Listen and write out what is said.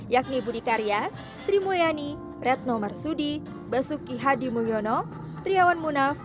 yakni budi karya sri mulyani retno marsudi basuki hadi mulyono triawan munaf